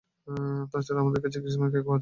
তাছাড়া আমাদের কাছে ক্রিসমাস কেক-ও আছে!